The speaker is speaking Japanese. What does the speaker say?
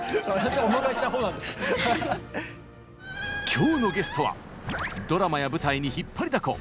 今日のゲストはドラマや舞台に引っ張りだこ！